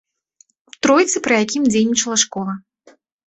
Тройцы, пры якім дзейнічала школа.